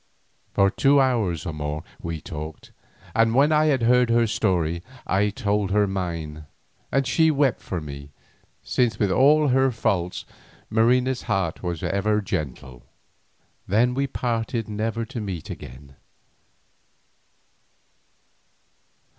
For two hours or more we talked, and when I had heard her story I told her mine, and she wept for me, since with all her faults Marina's heart was ever gentle. Then we parted never to meet again.